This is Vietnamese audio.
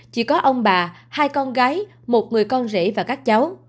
chỉ có ông bà hai con gái một người con rể và các cháu